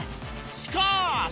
しかし！